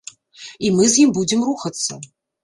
І мы з ім будзем рухацца.